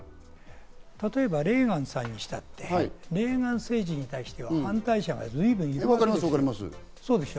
例えばレーガンさんにしたって、レーガン政治に対して反対者が随分いるわけです。